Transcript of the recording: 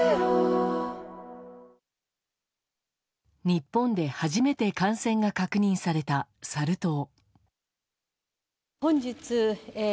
日本で初めて感染が確認されたサル痘。